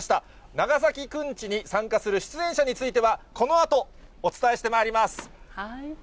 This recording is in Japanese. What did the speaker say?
長崎くんちに参加する出演者については、このあとお伝えしてまいります。